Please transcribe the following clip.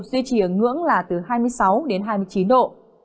duy trì ở ngưỡng là từ hai mươi sáu đến hai mươi chín độ